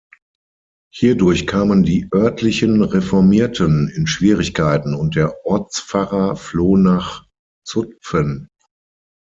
Hierdurch kamen die örtlichen Reformierten in Schwierigkeiten und der Ortspfarrer floh nach Zutphen.